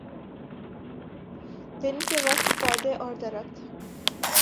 دن کے وقت پودے اور درخت